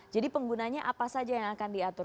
jadi penggunanya apa saja yang akan diatur